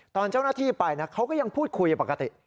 ตอนเจ้าหน้าที่ไปนะเขาก็ยังพูดคุยปกติ